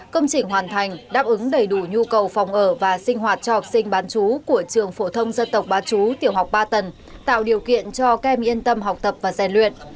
công trình hoàn thành đáp ứng đầy đủ nhu cầu phòng ở và sinh hoạt cho học sinh bán chú của trường phổ thông dân tộc bán chú tiểu học ba tầng tạo điều kiện cho kem yên tâm học tập và giàn luyện